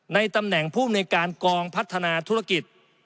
ในตำแหน่งภูมิในการกองพัฒนาธุรกิจ